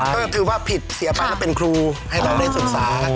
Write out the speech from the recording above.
ก็คือว่าผิดเสียไปแล้วเป็นครูให้เราได้ศึกษา